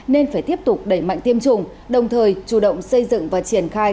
nên phải tiếp tục đẩy mạnh tiêm chủng đồng thời chủ động xây dựng và triển khai